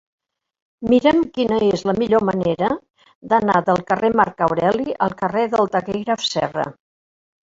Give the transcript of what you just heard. Mira'm quina és la millor manera d'anar del carrer de Marc Aureli al carrer del Taquígraf Serra.